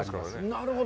なるほど。